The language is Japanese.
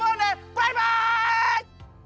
バイバイ！